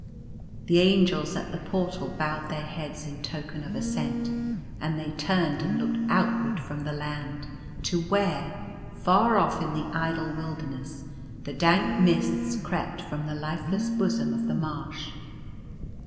" The Angels at the Portal bowed their heads in token of assent ; and they turned and looked outward from the Land to where, far off in the idle wilderness, the dank mists crept from the lifeless bosom of the marsh.